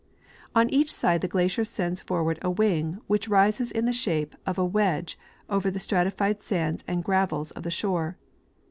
On each side the glacier sends forward a wing, which rises in the shape of a wedge over the stratified sands and gravels of the shore.